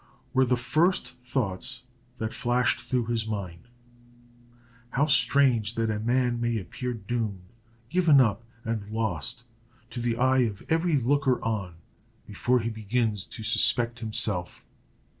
were the first thoughts that flashed through his mind. How strange that a man may appear doomed, given up, and lost, to the eye of every looker on, before he begins to suspect himself!